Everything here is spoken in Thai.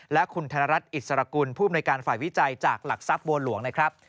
และคุณธนรัฐอิสรกุลผู้อำนวยการฝ่ายวิจัยจากหลักทรัพย์บัวหลวงนะครับ